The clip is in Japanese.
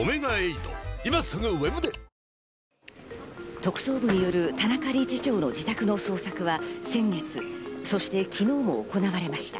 特捜部による田中理事長の自宅の捜索は、先月、そして昨日も行われました。